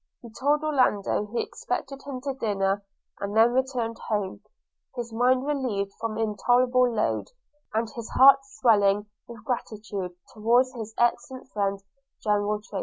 He told Orlando he expected him to dinner, and then returned home; his mind relieved from an intolerable load, and his heart swelling with gratitude towards his excellent friend General Tracy.